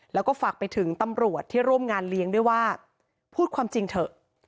แล้วก็ฝากไปถึงตำรวจที่ร่วมงานเลี้ยงด้วยว่าพูดความจริงเถอะ